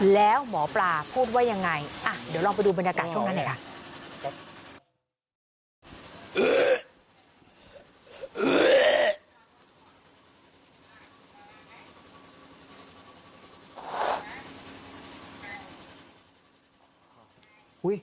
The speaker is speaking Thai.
แล้วหมอปลาพูดว่ายังไงเดี๋ยวลองไปดูบรรยากาศช่วงนั้นหน่อยค่ะ